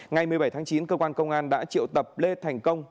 ngày một mươi bảy tháng chín cơ quan công an đã triệu tập lê thành công